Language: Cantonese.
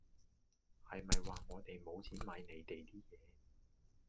係咪話我地無錢買你地 d 野